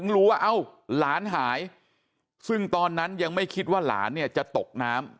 รู้ว่าเอ้าหลานหายซึ่งตอนนั้นยังไม่คิดว่าหลานเนี่ยจะตกน้ำ